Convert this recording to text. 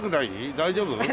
大丈夫？